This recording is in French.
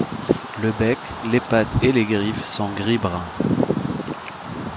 Le bec, les pattes et les griffes sont gris-brun.